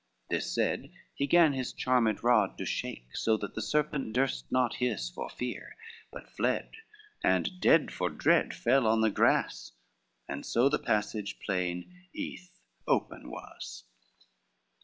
This said, he gan his charmed rod to shake, So that the serpent durst not hiss for fear, But fled, and dead for dread fell on the grass, And so the passage plain, eath, open was.